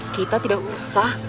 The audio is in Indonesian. kita tidak usah